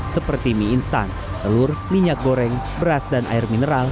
seperti mie instan telur minyak goreng beras dan air mineral